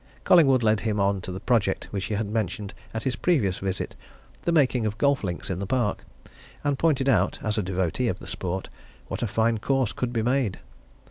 Collingwood led him on to the project which he had mentioned at his previous visit the making of golf links in the park, and pointed out, as a devotee of the sport, what a fine course could be made.